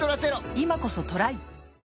今こそトライ！